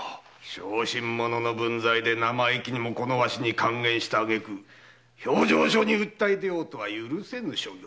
小心者の分際で生意気にもわしに諌言した挙句評定所に訴え出ようとは許せぬ所業。